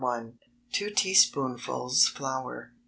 2 teaspoonfuls flour.